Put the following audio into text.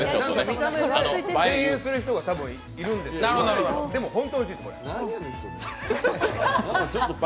見た目で敬遠する人が多いと思うんですけど、でも、本当おいしいです、これ。